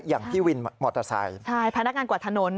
อย่างพี่วินมอเตอร์ไซน์ผนักงานก่อถนน